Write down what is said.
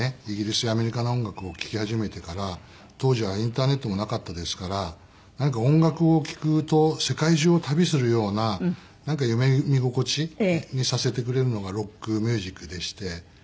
イギリスやアメリカの音楽を聴き始めてから当時はインターネットもなかったですからなんか音楽を聴くと世界中を旅するような夢見心地にさせてくれるのがロックミュージックでして。